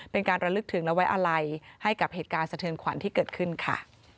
เป็นการระลึกถึงและไว้อาลัยให้กับเหตุการณ์สะเทือนขวัญที่เกิดขึ้นค่ะ